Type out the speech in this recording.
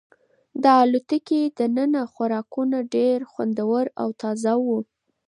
د الوتکې دننه خوراکونه ډېر خوندور او تازه وو.